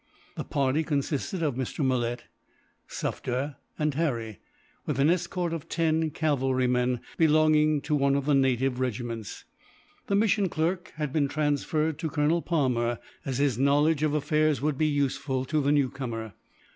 The party consisted of Mr. Malet, Sufder, and Harry; with an escort of ten cavalrymen, belonging to one of the native regiments. The mission clerk had been transferred to Colonel Palmer, as his knowledge of affairs would be useful to the newcomer.